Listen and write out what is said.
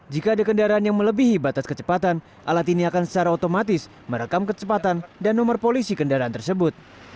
jika ada kendaraan yang melebihi batas kecepatan alat ini akan secara otomatis merekam kecepatan dan nomor polisi kendaraan tersebut